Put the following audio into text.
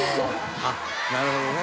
「あっなるほどね。